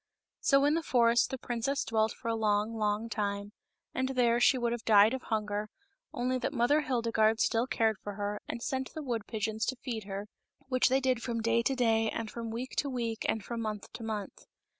So in the forest the princess dwelt for a long, long time, and there she would have died of hunger, only that Mother^ Hildegarde still cared for her and sent the wood pigeons to feed her, which they did from day to day and from week to week and from month to month.